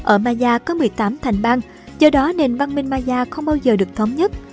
ở maya có một mươi tám thành bang do đó nền văn minh maya không bao giờ được thống nhất